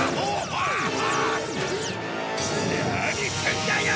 何すんだよ！！